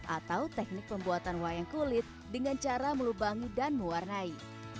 atau teknik pembuatan wayang kulit dengan cara melubangi dan mewarnai